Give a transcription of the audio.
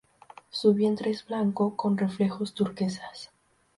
Su vientre es blanco con reflejos turquesas.